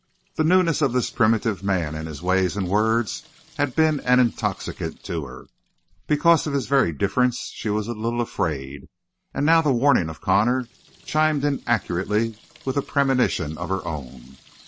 The newness of this primitive man and his ways and words had been an intoxicant to her; because of his very difference she was a little afraid, and now the warning of Connor chimed in accurately with a premonition of her own.